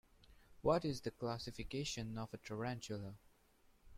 What is the classification of a Tarantula?